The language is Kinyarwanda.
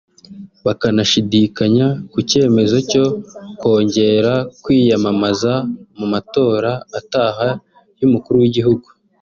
bakanashidikanya ku cyemezo cyo kongera kwiyamamaza mu matora ataha y’Umukuru w’Igihugu